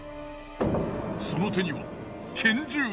その手には拳銃。